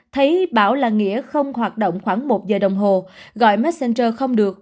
thấy bảo là nghĩa không hoạt động khoảng một giờ đồng hồ gọi messenger không được